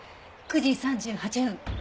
９時３８分。